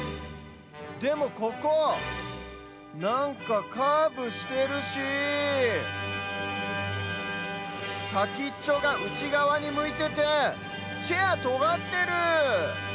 でもここなんかカーブしてるしさきっちょがうちがわにむいててチェアとがってる！